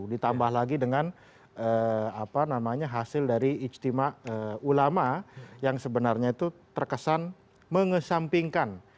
ditambah lagi dengan hasil dari ijtima ulama yang sebenarnya itu terkesan mengesampingkan